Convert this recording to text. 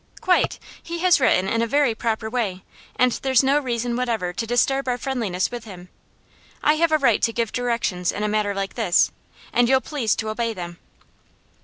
'Quite. He has written in a very proper way, and there's no reason whatever to disturb our friendliness with him. I have a right to give directions in a matter like this, and you'll please to obey them.